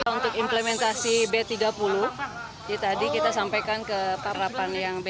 untuk implementasi b tiga puluh tadi kita sampaikan ke pak rapan yang b tiga puluh